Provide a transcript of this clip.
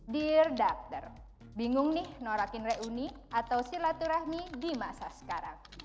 dear doctor bingung nih norakin reuni atau silaturahmi di masa sekarang